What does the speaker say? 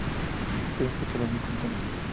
El presidente quedó muy contento.